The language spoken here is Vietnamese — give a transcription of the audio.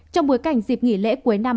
trong bối cảnh dịp nghỉ lễ cuối năm